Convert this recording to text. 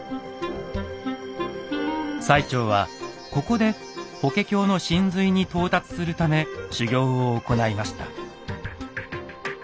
最澄はここで「法華経」の神髄に到達するため修行を行いました。